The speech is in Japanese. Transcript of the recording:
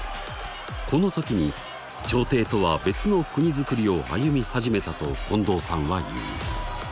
この時に朝廷とは別の国づくりを歩み始めたと近藤さんは言う。